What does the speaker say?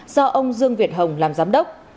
do ông dương việt hồng làm giám đốc